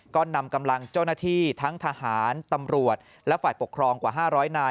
ก็นำกำลังเจ้าหน้าที่ทั้งทหารตำรวจและฝ่ายปกครองกว่า๕๐๐นาย